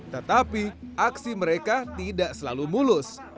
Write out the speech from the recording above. tetapi aksi mereka tidak selalu mulus